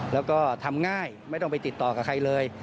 แล้วก็ทำง่ายไม่ต้องไปติดต่อกับใครเลย